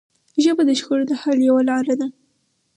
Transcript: ژبه د شخړو د حل یوه لاره ده